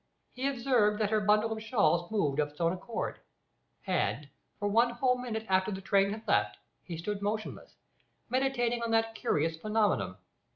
He observed that her bundle of shawls moved of its own accord, and, for one whole minute after the train had left, he stood motionless, meditating on that curious phenomenon.